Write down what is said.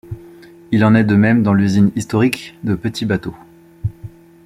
Il en est de même dans l'usine historique de Petit Bateau.